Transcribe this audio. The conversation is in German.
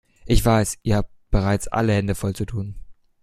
Ich weiß, ihr habt bereits alle Hände voll zu tun.